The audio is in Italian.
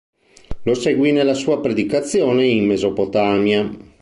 Lo seguì nella sua predicazione in Mesopotamia.